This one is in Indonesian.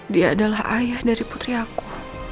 dia adalah ayah dari putri aku